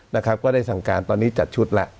เรียบร้อยก็ได้สั่งการตอนนี้จัดชุด